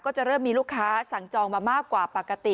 จะเริ่มมีลูกค้าสั่งจองมามากกว่าปกติ